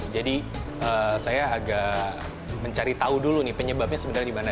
jadi saya agak mencari tahu dulu penyebabnya sebenarnya di mana